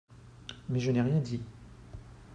Mais je n’ai rien dit